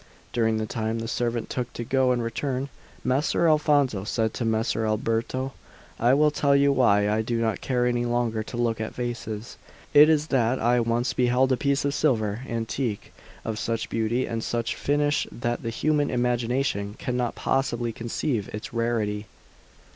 During the time the servant took to go and return, Messer Alfonso said to Messer Alberto: "I will tell you why I do not care any longer to look at vases; it is that I once beheld a piece of silver, antique, of such beauty and such finish that the human imagination cannot possibly conceive its rarity.